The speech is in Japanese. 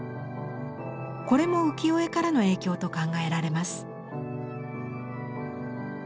これも浮世絵からの影響と考えられます。